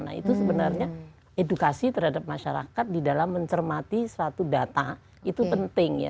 nah itu sebenarnya edukasi terhadap masyarakat di dalam mencermati suatu data itu penting ya